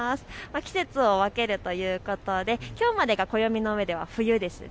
季節を分けるということできょうまでが暦の上では冬ですね。